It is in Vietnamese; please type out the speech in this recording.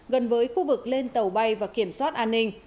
gần với khu vực lên tàu bay và kiểm soát an ninh